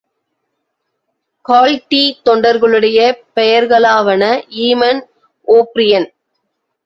கால்ட்டீ தொண்டர்களுடைய பெயர்களாவன Yemen O'Brien.